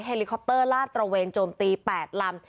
ลิคอปเตอร์ลาดตระเวนโจมตี๘ลำ